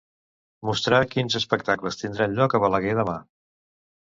Mostrar quins espectacles tindran lloc a Balaguer demà.